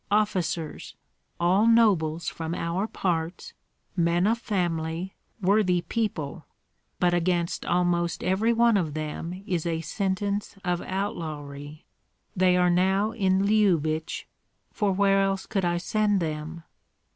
Officers, all nobles from our parts, men of family, worthy people, but against almost every one of them is a sentence of outlawry. They are now in Lyubich, for where else could I send them?"